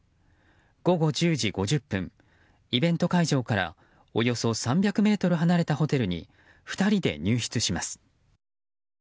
午後１０時５０分イベント会場からおよそ３００ｍ離れたホテルに２人で入室します。